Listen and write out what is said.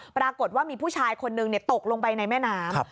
ปรากฏว่ามีผู้ชายคนนึงตกลงไปในแม่น้ำ